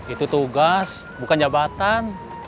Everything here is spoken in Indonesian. itu tugas bukan jabatan